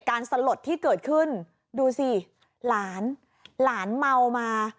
สลดที่เกิดขึ้นดูสิหลานหลานเมามา